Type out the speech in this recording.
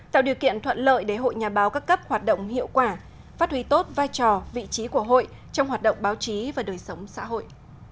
tạo điều kiện thuận lợi để hội nhà báo các cấp hoạt động hiệu quả phát huy tốt vai trò vị trí của hội trong hoạt động báo chí và đời sống xã hội